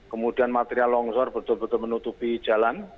kemudian material longsor betul betul menutupi jalan